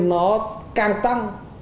nó càng tăng